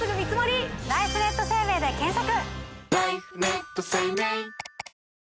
ライフネット生命で検索！